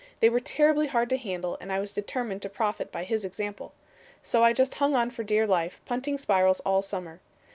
They were terribly hard to handle, and I was determined to profit by his example. So I just hung on for dear life, punting spirals all summer.